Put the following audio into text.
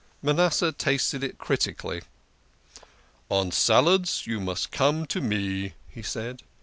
Manasseh tasted it critically. " On salads you must come to me," he said.